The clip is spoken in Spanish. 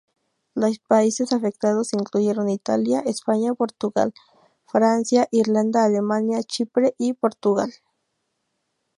Los países afectados incluyeron Italia, España, Portugal, Francia, Irlanda, Alemania, Chipre y Portugal.